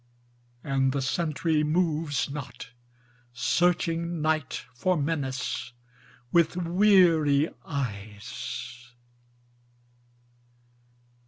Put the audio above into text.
And the sentry moves not, searching Night for menace with weary eyes.